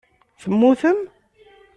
Temmutem?